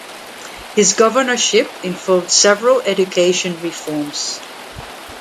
His governorship involved several education reforms.